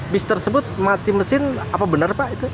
bis tersebut mati mesin apa benar pak